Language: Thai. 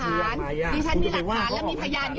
และที่สงคราม